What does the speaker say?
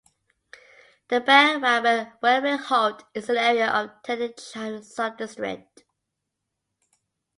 The Bang Ramat Railway Halt is in the area of Taling Chan Subdistrict.